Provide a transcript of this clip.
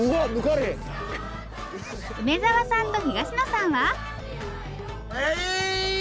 梅沢さんと東野さんはイエーイ！